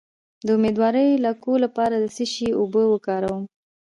د امیدوارۍ د لکو لپاره د څه شي اوبه وکاروم؟